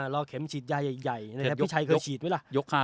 รอเข็มฉีดใหญ่พี่ชัยเคยฉีดไหมล่ะ